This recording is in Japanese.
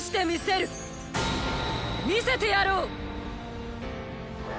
見せてやろう！